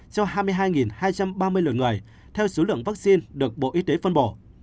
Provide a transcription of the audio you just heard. cho hai mươi hai hai trăm ba mươi lượt người theo số lượng vaccine được bộ y tế phân bổ